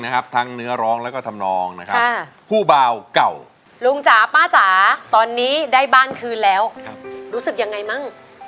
ในบ้านคืนแล้วรู้สึกยังไงมั่ง